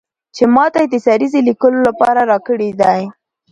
چې ماته یې د سریزې لیکلو لپاره راکړی دی.